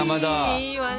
いいわね。